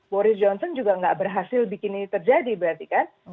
boris johnson juga nggak berhasil bikin ini terjadi berarti kan